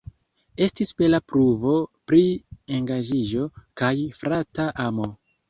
Estis bela pruvo pri engaĝiĝo kaj frata amo.